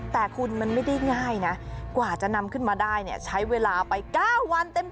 แต่คุณมันไม่ได้ง่ายนะกว่าจะนำขึ้นมาได้เนี่ยใช้เวลาไป๙วันเต็ม